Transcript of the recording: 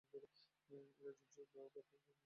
এরা জুমচাষ প্রথায় জমি আবাদ করে।